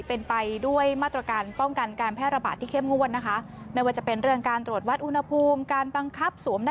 เป็นไปด้วยมาตรการป้องกันการแพร่ระบาดที่เข้มงวลนะคะ